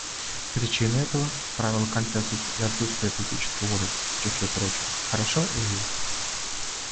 Причины этого — правило консенсуса и отсутствие политической воли, в числе прочего, — хорошо известны.